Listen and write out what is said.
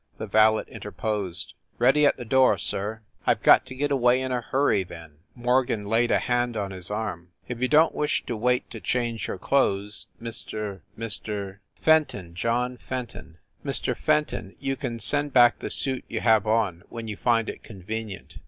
The valet interposed. "Ready at the door, sir." "I ve got to get away in a hurry, then." Morgan laid a hand on his arm. "If you don t wish to wait to change your clothes, Mr. Mr. " "Fenton. John Fenton." "Mr. Fenton, you can send back the suit you have on when you find it convenient.